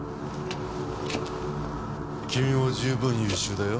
君も十分優秀だよ。